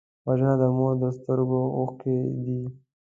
وژنه د مور د سترګو اوښکې دي